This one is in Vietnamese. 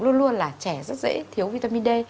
luôn luôn là trẻ rất dễ thiếu vitamin d